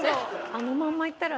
あのままいったらね